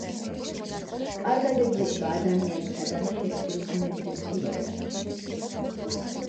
კარგად ეგუება ადამიანისაგან შეცვლილ ბუნებრივ პირობებს.